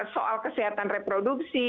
soal kesehatan reproduksi